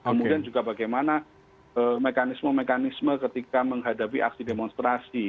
kemudian juga bagaimana mekanisme mekanisme ketika menghadapi aksi demonstrasi